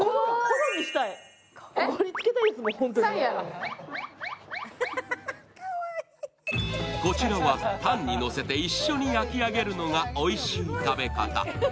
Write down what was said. こちらはパンにのせて一緒に焼き上げるのがおいしい食べ方。